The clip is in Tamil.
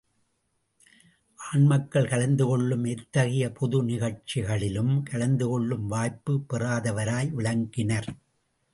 ஆண் மக்கள் கலந்து கொள்ளும் எத்தகைய பொது திகழ்ச்சிகளிலும் கலந்து கொள்ளும் வாய்ப்புப் பெறாதவராய் விளங்கினர்.